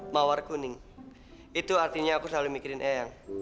mawar kuning itu artinya aku selalu mikirin eyang